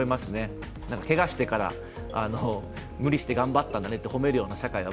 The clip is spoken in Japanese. けがしてから、無理して頑張ったねって褒めるような社会って